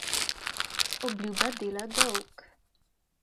Obljuba dela dolg.